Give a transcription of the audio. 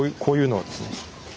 こういうのをですね。